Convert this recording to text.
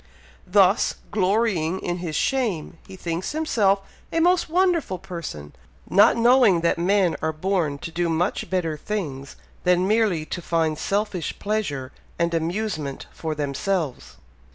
Thus, 'glorying in his shame,' he thinks himself a most wonderful person, not knowing that men are born to do much better things than merely to find selfish pleasure and amusement for themselves.